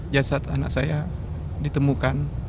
jasad anak saya ditemukan